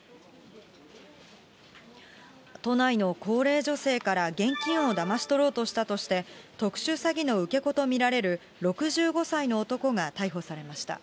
都内の高齢女性から現金をだまし取ろうとしたとして、特殊詐欺の受け子と見られる６５歳の男が逮捕されました。